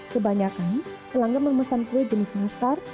kebanyakan pelanggan memesan kue jenis nastar